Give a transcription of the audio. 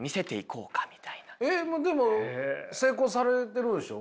えっでも成功されてるんでしょう？